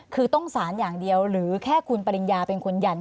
คือต้องสารอย่างเดียวหรือแค่คุณปริญญาเป็นคนหยั่น